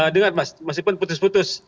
dengar mas masih pun putus putus